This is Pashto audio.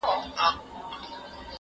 زه به سبا مېوې وچوم وم!